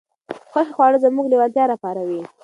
خوښې خواړه زموږ لېوالتیا راپاروي.